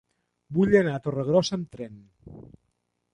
Vull anar a Torregrossa amb tren.